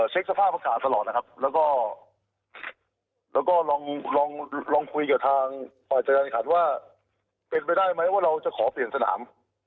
เช็คสภาพอากาศตลอดนะครับแล้วก็ลองคุยกับทางฝ่ายจัดการขันว่าเป็นไปได้ไหมว่าเราจะขอเปลี่ยนสนาม